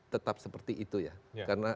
tetap seperti itu ya karena